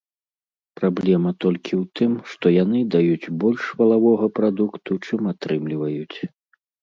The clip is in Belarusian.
Праблема толькі ў тым, што яны даюць больш валавога прадукту, чым атрымліваюць.